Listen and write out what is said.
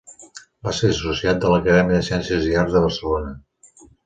Va ser associat de l'Acadèmia de Ciències i Arts de Barcelona.